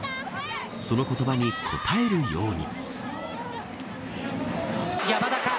その言葉に応えるように。